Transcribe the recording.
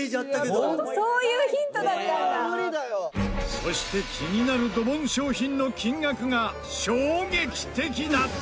そして気になるドボン商品の金額が衝撃的だった！